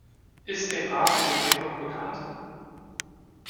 Ist dem Rat diese Entwicklung bekannt?